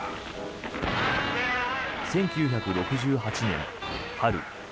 １９６８年、春。